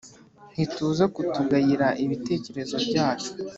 Ntituza kutugayira ibitekerezo byacu